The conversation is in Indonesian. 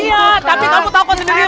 iya tapi kamu tahu kau sendiri ya